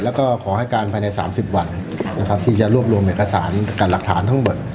แล้วก็ขอให้การภายใน๓๐วันนะครับที่จะรวบรวมเอกสารกับหลักฐานทั้งหมด